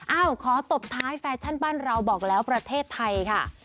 ขอตบท้ายแฟชั่นบ้านเราบอกแล้วประเทศไทยค่ะ